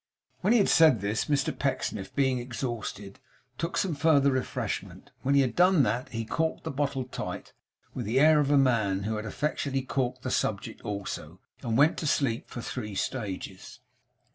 When he had said this, Mr Pecksniff, being exhausted, took some further refreshment. When he had done that, he corked the bottle tight, with the air of a man who had effectually corked the subject also; and went to sleep for three stages.